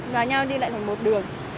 và nhau đi lại một đường